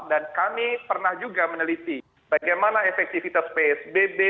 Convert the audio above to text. dan kami pernah juga meneliti bagaimana efektivitas psbb